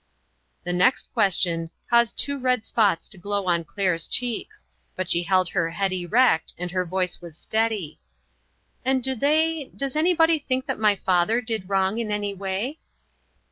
The next question caused two red spots to glow on Claire's cheeks, but she held her head erect, and her voice was steady : "And do the}'' does anybody think that my father did wrong in any way?"